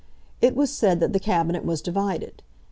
It was said that the Cabinet was divided.